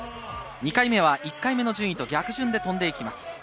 ２回目は１回目の順位と逆順で飛んでいきます。